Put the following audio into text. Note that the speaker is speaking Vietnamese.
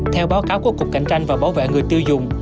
theo báo cáo của cục cạnh tranh và bảo vệ người tiêu dùng